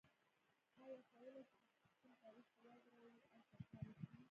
ایا کولای شئ د سیسټم تعریف په یاد راوړئ او تکرار یې کړئ؟